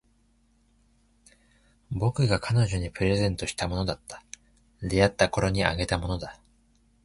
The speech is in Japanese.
僕が彼女にプレゼントしたものだった。出会ったころにあげたものだ。